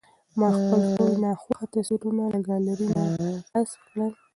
ما خپل ټول ناخوښه تصویرونه له ګالرۍ نه حذف کړل.